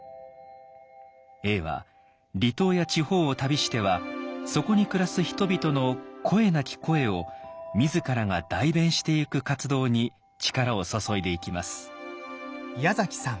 永は離島や地方を旅してはそこに暮らす人々の声なき声を自らが代弁してゆく活動に力を注いでいきます。